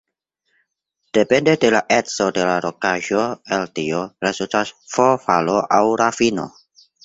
Depende de la eco de la rokaĵo el tio rezultas V-valo aŭ ravino.